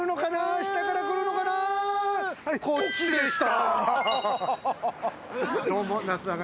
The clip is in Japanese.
こっちでした。